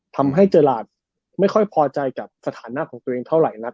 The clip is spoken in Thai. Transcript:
ทำให้เจอราชไม่ค่อยพอใจกับสถานะของตัวเองเท่าไหร่นัก